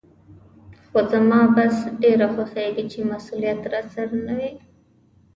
خو زما بس ډېر خوښېږي چې مسولیت راسره نه وي.